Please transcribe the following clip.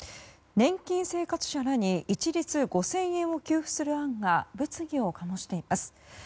年金生活者らに一律５０００円を給付する案が物議を醸しています。